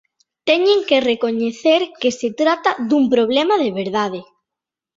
Teñen que recoñecer que se trata dun problema de verdade.